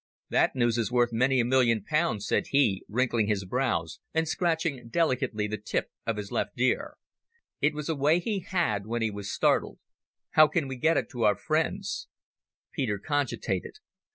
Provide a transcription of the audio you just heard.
"That news is worth many a million pounds," said he, wrinkling his brows, and scratching delicately the tip of his left ear. It was a way he had when he was startled. "How can we get it to our friends?" Peter cogitated.